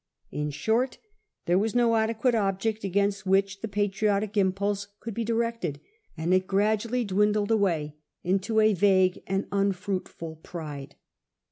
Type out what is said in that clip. In short, there was no adequate object against which the patriotic impulse could be directed, and it gradually dwindled away into a vague and unfruitful pride.